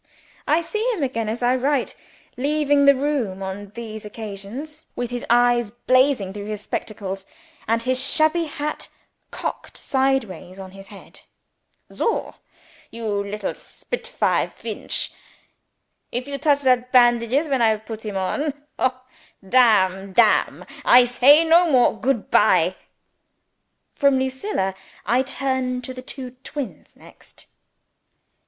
I see him again as I write, leaving the room on these occasions, with his eyes blazing through his spectacles, and his shabby hat cocked sideways on his head. "Soh, you little spitfire Feench! If you touch that bandages when I have put him on Ho Damn Damn! I say no more. Good bye!" From Lucilla I turn to the twin brothers next.